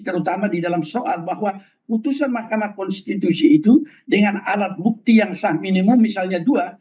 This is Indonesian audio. terutama di dalam soal bahwa putusan mahkamah konstitusi itu dengan alat bukti yang sah minimum misalnya dua